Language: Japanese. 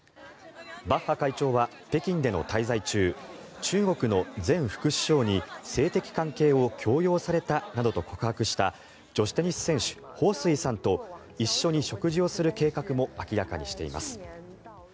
バッハ会長は北京での滞在中中国の前副首相に性的関係を強要されたなどと告白した女子テニス選手ホウ・スイさんと一緒に食事をする計画も明らかにしています。